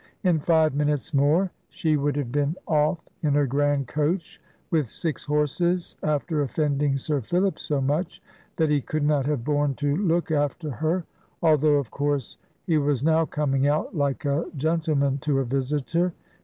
In five minutes more, she would have been off in her grand coach with six horses, after offending Sir Philip so much, that he could not have borne to look after her; although, of course, he was now coming out like a gentleman to a visitor.